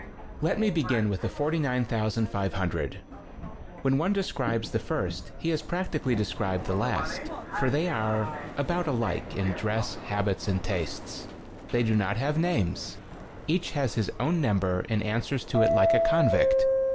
Let me begin with the 49,500. When one describes the first he has prac tically described the last, for they are about alike in dress, habits and tastes. They do not have names; each has his own number and answers to it like a convict.